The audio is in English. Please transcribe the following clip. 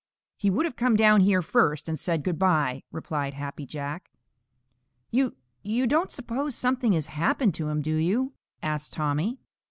"He would have come down here first and said good by," replied Happy Jack. "You you don't suppose something has happened to him, do you?" asked Tommy.